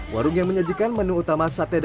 warung yang menyajikan menu utama sate